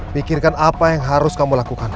pikirkan apa yang harus kamu lakukan